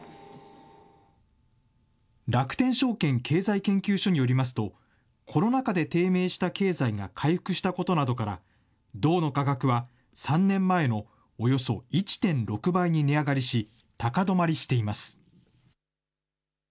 楽天証券経済研究所によりますと、コロナ禍で低迷した経済が回復したことなどから、銅の価格は３年前のおよそ１．６倍に値上がりし、高止まりしています。